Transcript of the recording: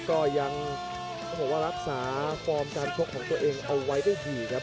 ก็ยังรักษาความการคลกของตัวเองเอาไว้ได้ดีครับ